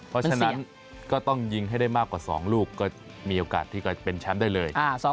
เพราะฉะนั้นก็ต้องยิงให้ได้มากกว่า๒ลูกก็มีโอกาสที่จะเป็นแชมป์ได้เลย